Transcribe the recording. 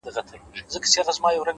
ستا مين درياب سره ياري کوي;